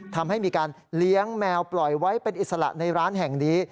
ทำให้มีการเลี้ยงแมวปล่อยไว้เป็นอิสระในร้านแห่งนี้